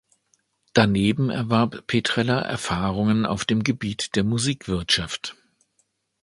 Daneben erwarb Petrella Erfahrungen auf dem Gebiet der Musikwirtschaft.